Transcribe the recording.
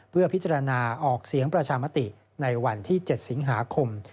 เพื่อพิจารณาออกเสียงประชามติในวันที่๗สิงหาคม